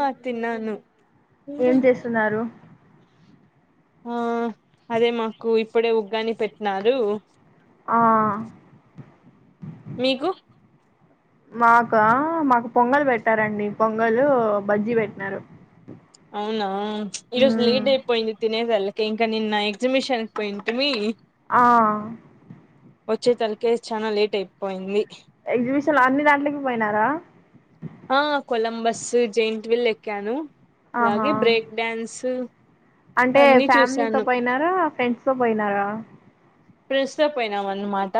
ఆ తిన్నాను. ఏం చేస్తున్నారు ఆ అదే మాకు ఇప్పుడే ఉగ్గాని పెట్టినారు. ఆ మీకు? అ మాకా మాకు పొంగలు పెట్టారండి. పొంగలు బజ్జి పెట్టినారు. అవునా ఈరోజు మ్మ్ లేట్ అయిపోయింది తినేదల్లకి. ఇంకా నిన్న ఎగ్జిబిషన్ పోయింటిమి. ఆ వచ్చే తలకే చానా లేట్ అయిపోయింది. ఎగ్జిబిషన్లో అన్ని దాంట్లకి పోయినారా. ఆ కొలంబస్ జెయింట్ వీల్ ఎక్కాను ఆహా అలాగే బ్రేక్ డ్యాన్స్ అంటే అన్ని ఫ్యామిలీతో చూసాను పోయినారా, ఫ్రెండ్స్ తో పోయినారా. ఫ్రెండ్స్ తో పోయినాం అన్నమాట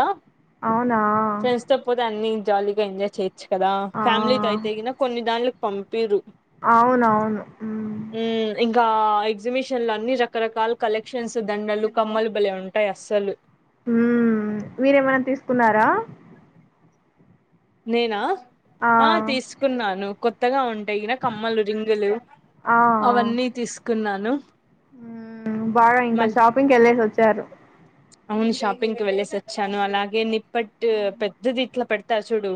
అవునా ఫ్రెండ్స్ తో పోతే అన్నీ జాలీగా ఎంజాయ్ చేయచ్చు కదా. ఆ ఫ్యామిలీతో అయితేగిన కొన్ని దాంన్లకు పంపి పిరు అవునవును మ్మ్ హ్మ్ ఇం ఇంకా ఎగ్జిబిషన్ లో అన్ని రకరకాల కలెక్షన్స్ దండలు, కమ్మలు బలే ఉంటాయి అస్సలు. కున్నారా నేనా ఆ తీసుకున్నాను కొత్తగా ఉం ఉంటేగినా కమ్మలు, రింగులు అవన్నీ తీసుకున్నాను. హ్ బాగా ఇంకా మళ్ షాపింగ్కి వెళ్ళేసి వచ్చారు. అవును షాపింగ్కి వెళ్లేేసి వచ్చాను. అలాగే నిప్పట్ పెద్దది ఇట్లా పెడతారు చూడు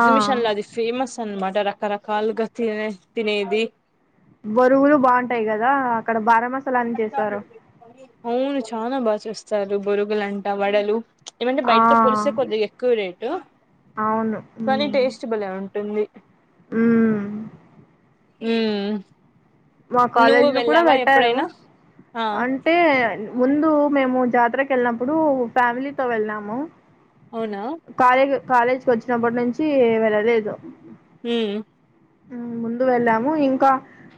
ఆ లో అది ఫేమస్ అనమాట రకరకాలుగా తినే తినేది. బొరుగులు బావుంటాయి కదా. అక్కడ బారామసాలా అని చేస్తారు. అవును చాలా బాగా చూస్తారు బురుగులంటా వడలు ఏమంటే ఆ బయటతో పులిసే కొద్దిగా ఎక్కువ రేటు అవును కానీ మ్మ్ టేస్ట్ బలే ఉంటుంది మ్మ్ మ్మ్ మా కాలేజీ లో కూడా పెట్టారు ఎప్పుడైనా ఆ అంటే ముందు మేము జాతరకు వెళ్ళినప్పుడు ఫ్యామిలీతో వెళ్ళాము అవునా కాలేజ్ కాలేజీకి వచ్చినప్పటి నుంచి వెళ్ళలేదు హ్మ్ ముందు వెళ్ళాము ఇంకా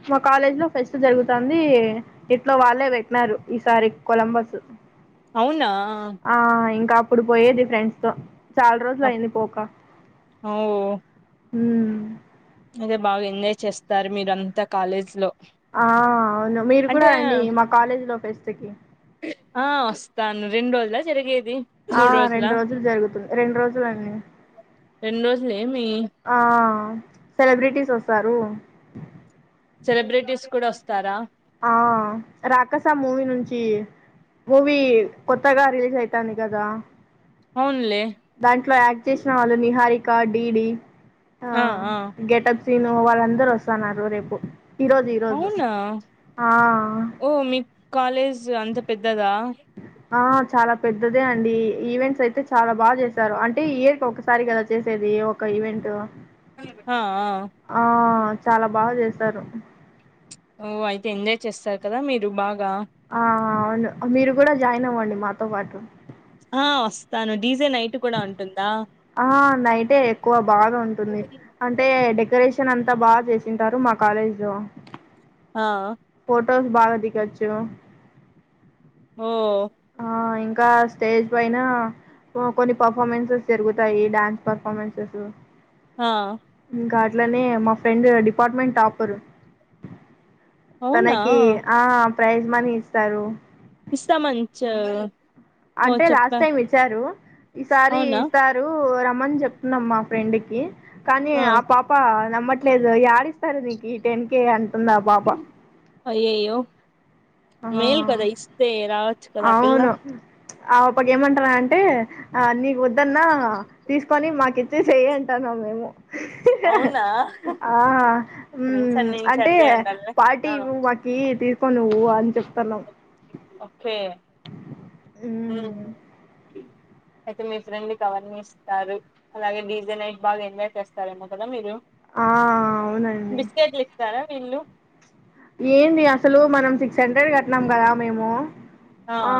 మా కాలేజ్ లో ఫెస్ట్ జరుగుతుంది ఇట్లో వాళ్ళే పెట్టినారు ఈసారి కొలంబస్ అవునా ఆ ఇంకా అప్పుడు పోయేది ఫ్రెండ్స్ తో చాలా రోజులు అప్ అయింది పోక ఓ మ్మ్ అదే బాగా ఎంజాయ్ చేస్తారు మీరు అంతా కాలేజ్ లో ఆ అవును మీరు కూడా అంటే రండి మా కాలేజీ లో ఫెస్ట్ కి ఆ వస్తాను రెండు రోజులా జరిగేది ఆ మూడు రోజులా రెండు రోజులు జరుగుతుంది రెండు రోజులండి రెండు రోజులు ఏమి ఆ సెలబ్రిటీస్ వస్తారు సెలబ్రిటీస్ కూడా వస్తారా ఆ రాకస మూవీ నుంచి మూవీ కొత్తగా రిలీజ్ అయితాంది కదా అవున్లే దాంట్లో యాక్ట్ చేసిన వాళ్ళు నిహారిక డీడీ ఆ గెటప్ సీను వాళ్ళందరుూ వస్తున్నారు రేపు ఈరోజు ఈరోజు అవునా ఆ ఓ మీ కాలేజ్ అంత పెద్దదా ఆ చాలా పెద్దదే అండి ఈవెంట్స్ అయితే చాలా బాగా చేశారు అంటే ఇయర్ కి ఒకసారి కదా చేసేది అది ఒక ఈవెంట్ ఆ ఆ చాలా బాగా చేస్తారు ఓ అయితే ఎంజాయ్ చేస్తారు కదా మీరు బాగా ఆ అ అవును మీరు కూడా జాయిన్ అవ్వండి మాతో పాటు ఆ వస్తాను డీజే నైట్ కూడా ఉంటుంది ఆ నైటే ఎక్కువ బాగా ఉంటుంది అంటే డెకరేషన్ శన్ అంతా బాగా చేసింటారు మా కాలేజ్ లో ఆ ఫోటోస్ బాగా దిగొచ్చు ఓ ఆ ఇంకా స్టేజ్ పైన కొన్ని పర్ఫార్మెన్సెస్ జరుగుతాయి డ్యాన్స్ పర్ఫార్మెన్సెస్ ఆ ఇట్లనే మా ఫ్రెండ్ డిపార్ట్మెంట్ టాపర్ అవునా తనకి ఆ ప్రైజ్ మనీ ఇస్తారు ఇస్తా మంచ అంటే లాస్ట్ టైం ఇచ్చారు ఈసారి అవునా ఇస్తారు రమ్మని చెప్తున్నాం మా ఫ్రెండ్కి కానీ ఆ పాప నమ్మ లేదు యాడిస్తారు నీకు ఈ టెన్ కేే అంటుంది ఆ పాపా అయ్యయ్యో మేల్ కదా ఇస్తే రావచ్చు కదా ఆ పిల్లా అవును ఆ ఒప్పక్క ఏమంటానంటె ఆ నీకు వద్దన్న తీసుకొని మాకిచేసేయ్ అంటారు న్నాము మేము అవునా ఆ ఉమ్ ఫ్రెండ్స్ అన్ని ప్చ్ నుంచి అంటే అట్లే ఉండాలి పార్టీ ఆ ఇవ్వు మాకి తీసు కో నువ్వు అని చెప్తన్నావ్ ఒక్కే ఉమ్ మ్మ్ అయితే మీ ఫ్రెండ్ కవన్నీ ఇస్తారు అలాగే డీజే నైట్ బాగా ఎంజాయ్ చేస్తారు ఏమో కదా మీరు ఆ అవునండి ఇల్లు ఏంది అసలు మనం సిక్స్ హండ్రెడ్ కట్టినాం కదా మేము ఆ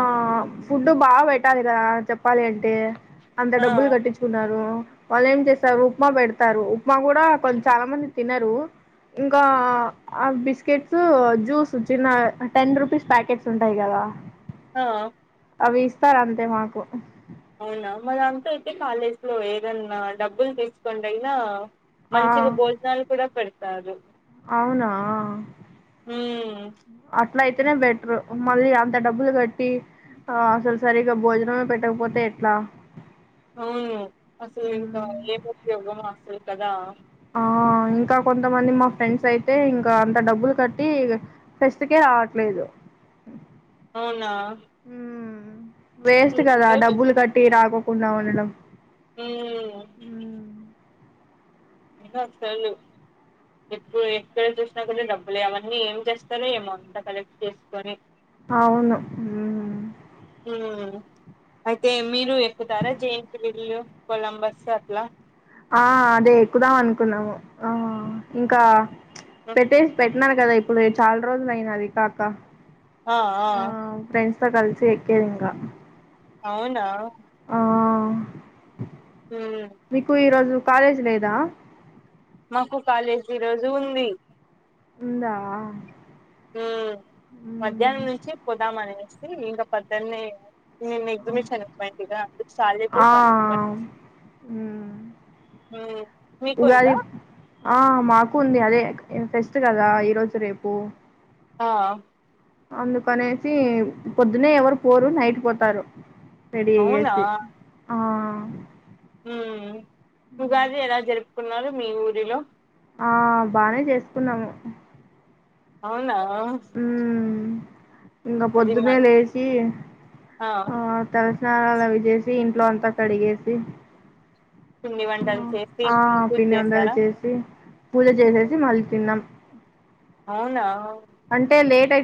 ఫుడ్డు బాగ పెట్టాలి కదా చెప్పాలి అంటే అంత ఆ డబ్బులు కట్టిచ్చుకున్నారు వాళ్ళు ఏం చేస్తారు ఉప్మా పెడతారు ఉప్మా కూడా కొంచ చాలా మంది తినరు ఇంకా ఆ బిస్ కెట్స్ జ్యూస్ చిన్న టెన్ రుపీస్ ప్యాకెట్స్ ఉంటాయి కదా ఆ అవి ఇస్తారు అంతే మాకు అవునా మరి అంతా అయితే కాలేజ్ లో ఏదన్నా డబ్బులు తెచ్చుకోంటే అయినా ఆ మంచిగా భోజనాలు కూడా పెడతారు అవునా ఉమ్ ప్చ్ అట్ల అయితేనే బెటరు మళ్ళీ అంత డబ్బులు కట్టి ఆ అసలు సరిగా భోజనమే పెట్టకపోతే ఎట్లా అవును అసలు ఇంకా ఏం ఉపయోగం అస్సలు కదా ఆ ఆ ఇంకా కొంతమంది మా ఫ్రెండ్స్ అయితే ఇంకా అంత డబ్బులు కట్టి ఫెస్ట్ కే రావట్లేదు. అవునా ఊ వేస్ట్ కదా ఉండాలి. డబ్బులు కట్టి రాకో కుండా ఉండడం ఊ ఏం గాదు తెల్దు ఎప్పుడూ ఎక్కడ చూసినా కూడా డబ్బులే అవన్నీ ఏం చేస్తారో ఏమో అంతా కలెక్ట్ చేసుకొని అవును ఉమ్ ఉమ్ అయితే మీరూ ఎక్కుతారా జెయింట్ వీల్లు కొలంబస్సు అట్లా ఆ అదే ఎక్కుదాం అనుకున్నాము ఆ ఇంకా ఉమ్, పెట్టేసి పె ట్నాను కదా ఇప్పుడే చాలా రోజులు అయ్యిందది కాక ఆ ఆ త కలిసి ఎక్కేదింక అవునా ఆ ఉమ్ మీకు రోజు కాలేజ్ లేదా మాకు కాలేజ్ ఈ రోజు ఉంది ఉందా ఊ మ్మ్. మధ్యాహ్నం నుంచి పోదాం అనేసి ఇంక పొద్దన్నే నేను ఎగ్సిమిషను కు పోయింటిగా ఆ మ్మ్ [inaudible] ఊ ఉగాది మీకుందా ఆ మాకు ఉంది అదే ఫెస్ట్ కదా ఈ రోజు రేపు ఆ అందుకనేసి పొద్దునే ఎవరూ పోరు నైటు పోతారు రెడీ అయ్యేసి ఆ ఉమ్ ఉగాది ఎలా జరుపుకున్నారు మీ ఊరిలో ఆ బానే చేసుకున్నాము అవునా ఇంకా అది మా పొద్దున్న లేచి ఆ త స్నానాలు అవి చేసి ఇంట్లో అంతా కడిగేసి పిండి వంటలు చేసి పూజ ఆపిండి వంటలు చేసారా చేసి పూజ చేసేసి మళ్ళీ తిన్నాం అవునా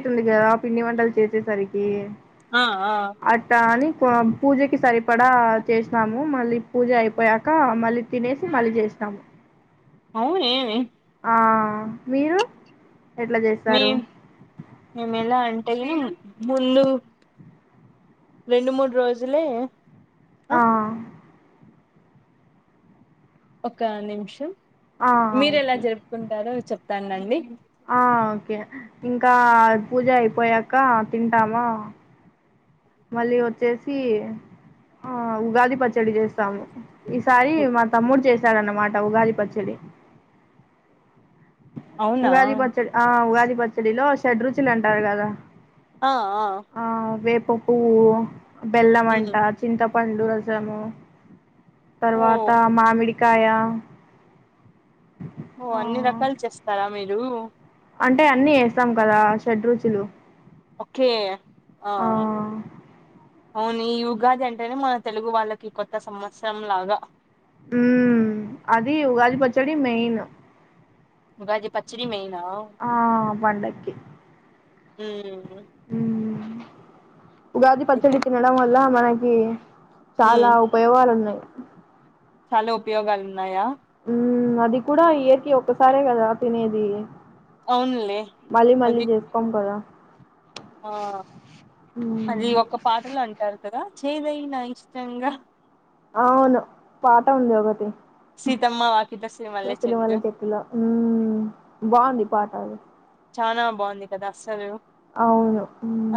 అతుంది కదా పిండి వంటలు చేసేసరికి ఆ ఆ అట్టా అని పూజకి సరిపడా చేసినాము మళ్ళీ పూజ అయిపోయాక మళ్ళీ తినేసి మళ్ళీ చేసాము అవును ఏమి ఆ మీరు ఎట్లా మే చేస్తారు మేము ఎలా అంటే ముందు రెండు మూడు రోజులే ఆ ఒక నిమిషం ఆ మీరు ఎలా ఓకే జరుపుకుంటారో చెప్తానండి ఆ ఓకే ఇంకా పూజ అయిపోయాక తింటామా మళ్ళీ వచ్చేసి ఆ ఉగాది పచ్చడి చేస్త ము ఈ సారి మా తమ్ముడు చేశాడన్నమాట ఉగాది పచ్చి చ్చడి అవునా ఉగాది పచ్చడి ఆ ఉగాది పచ్చడిలో షడ్రుచులు అంటారు కదా ఆ ఆ ఉప్పు ఉమ్ బెల్లమంట చింతపండు రసము ఓ తర్వాత మామిడికాయా ఓ అన్ని రకాలు చేస్తారా మీరు అంటే అన్నీ వేస్తాం కదా షడ్ రుచులు ఓకే ఆ అవును ఈ ఉగాది అంటేనే మన తెలుగు వాళ్ళకి కొత్త సంవత్సరం లాగా ఉమ్ అది ఉగాది పచ్చడి మెయిన్ ఉగాది పచ్చడి మెయినా ఆ పండకి ఉమ్ ఉగాది పచ్చడి తినడం వల్ల మనకి చాలా ఉమ్ ఉపయోగాలు ఉన్నాయి చాలా ఉపయోగాలు ఉన్నాయా ఉమ్ అది కూడా ఇయర్ కి ఒక్కసారే కదా తినేది అవునులే మళ్ళీ మళ్ళీ అది చేసుకోం కద ఆ అది మ్మ్ ఒక పాటలు అంటారు కదా చేదైన ఐనా ఇష్టంగా అవును పాట ఉంది ఒకటి సీతమ్మ వాకిట శ్రీమల్లె చెట్టు సిరిమల్లి చెట్టులో ఉమ్ బాగుంది ఈ పాట ఆది చానా బాగుంది కదా అసలు అవును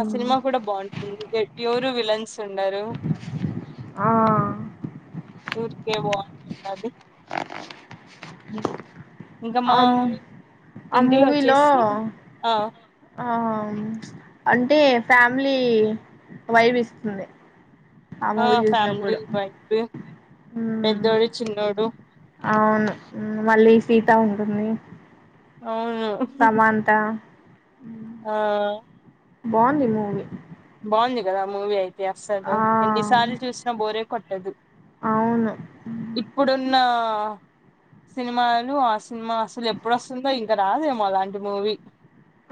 ఆ సినిమా కూడా బాగుంటుంది ఎవ్వరు విలన్స్ ఉండరు ఆ బాగుంటది ఇంకా మా ఆమ్ ఆ ఇంటిలో మూవీలో వచ్చేసి ఆ అంటే ఫ్యామిలీ వైబ్ ఇస్తుంది ఆ మూవీ ఫ్యామిలీ చూసినప్పుడు వైబ్ ఊ మ్మ్ పెద్దోడు చిన్నోడు అవును మళ్ళీ సీత ఉంటుంది అవును సమాంత ఆ బాగుంది మూవీ బాగుంది కదా మూవీ అయితే అస్సలు ఆ ఎన్నిసార్లు చూసినా బోరే కొట్టదు అవును ఇప్పుడున్న సినిమాలు ఆ సినిమా అసలు ఎప్పుడస్తుందో ఇంకా రాదేమో అలాంటి మూవీ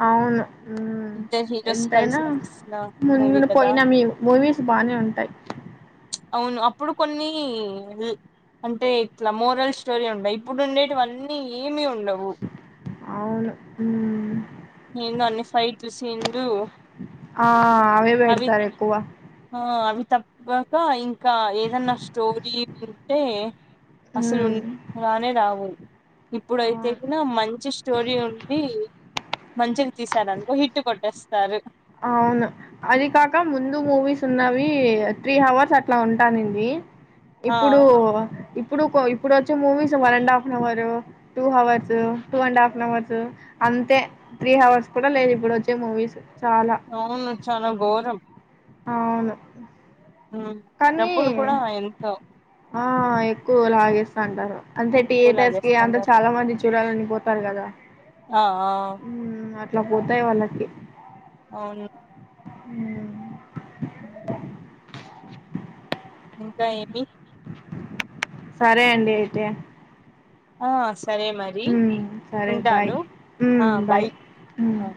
అవును ఊమ్ ఇద్దరు హీరోస్ ఎంతయినా కలిసి తీసిన మూవీ ముందుడు కదా పోయిన మేం మూవీస్ బానే ఉంటాయి అవును అప్పుడు కొన్ని అంటే ఇట్లా మోరల్ స్టోరీ ఉండే ఇప్పుడు ఉండేటివన్నీ ఏమి ఉం అవును ఊ ఏందో అన్ని ఫైట్ లు సీన్ లు ఆ అవే పెడతారు ఎక్కువ ఆ అవి తప్పక ఇం ఇంకా ఏదన్నా స్టోరీ ఉంటే అసలు మ్మ్ ఉం గానే రావు ఇప్పుడయితే అవును ఇక్కడ మంచి స్టోరీ ఉండి మంచిగా తీసారనుకో హిట్ కొట్టేస్తారు అవును అది కాక ముందు మూవీస్ ఉన్నవి త్రీ హవర్స్ అట్లా ఉంటానింది ఆ ఇప్పుడు ఇప్పుడు కో ఇప్పుడు వచ్చే movies one and half an hour two hours two and half an hours అ అంతే త్రీ హవర్స్ కూడా లేదు ఇప్పుడు వచ్చే మూవీస్ చాలా అవును చాలా గోరం అవును కానీ డబ్బులు కూడా ఎంతో ఆ ఎక్కువ లాగేస్ అంటారు అంతే టీయే ఎక్కువ తస్కి అంత లాగేస్తాంటారు చాలా మంది చూడాలని పోతారు కదా ఆ ఆ అట్ల పోతాయి వాళ్ళకి అవును ఊ ఊ ఇంకా ఏమి సరే అండి అయితే ఆస్ సరే మరి హ్మ్ సరే బాయ్ ఉంటాను ఆ హ్మ్ బై బాయ్ హ్మ్ అ